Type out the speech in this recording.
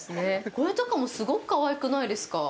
これとかもすごくかわいくないですか？